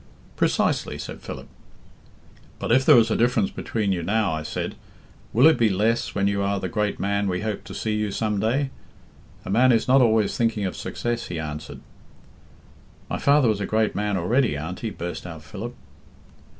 "Precisely," said Philip. "'But if there is a difference between you now,' I said, 'will it be less when you are the great man we hope to see you some day?' 'A man is not always thinking of success,' he answered. "My father was a great man already, Auntie," burst out Philip.